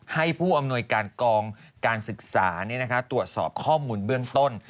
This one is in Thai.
ผู้อำนวยการกองการศึกษาตรวจสอบข้อมูลเบื้องต้น